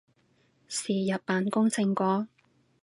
是日扮工成果